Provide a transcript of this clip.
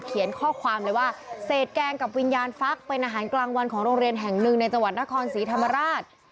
เขียนข้อความเลยว่าเศษแกงกับวิญญาณฟักเป็นอาหารกลางวันของโรงเรียนแห่งหนึ่งในจังหวัดนครศรีธรรมราช